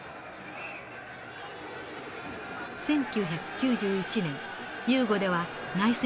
１９９１年ユーゴでは内戦が勃発。